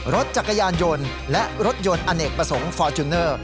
รถจักรยานยนต์และรถยนต์อเนกประสงค์ฟอร์จูเนอร์